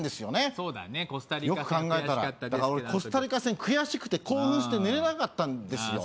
そうだねコスタリカ戦悔しかったですけどよく考えたらだから俺コスタリカ戦悔しくて興奮して寝れなかったんですよああ